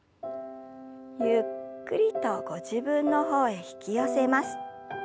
ゆっくりとご自分の方へ引き寄せます。